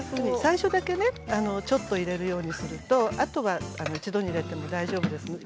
最初だけちょっと入れるようにするとあとは一度に入れても大丈夫です。